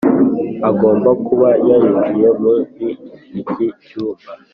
agomba kuba yarinjiye muri iki cyumba.